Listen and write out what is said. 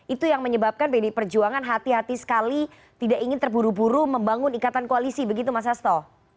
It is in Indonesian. itu yang menyebabkan pdi perjuangan hati hati sekali tidak ingin terburu buru membangun ikatan koalisi begitu mas hasto